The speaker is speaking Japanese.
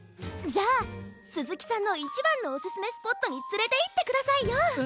じゃあすずきさんのいちばんのおすすめスポットにつれていってくださいよ！